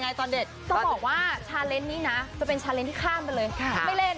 ไงตอนเด็ดต้องบอกว่านี้น่ะจะเป็นที่ข้ามไปเลยค่ะไม่เล่น